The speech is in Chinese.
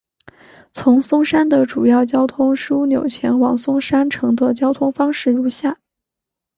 从松山的主要交通枢纽前往松山城的交通方式如下。